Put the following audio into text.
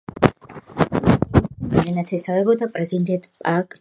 ცოლის მხრიდან ენათესავებოდა პრეზიდენტ პაკ ჩონ ჰის.